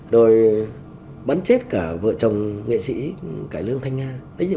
rồi bắn chết cả vợ chồng nghệ sĩ cải lương thanh nga